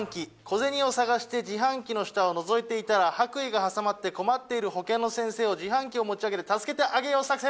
小銭を探して自販機の下を覗いていたら白衣が挟まって困っている保健の先生を自販機を持ち上げて助けてあげよう作戦！！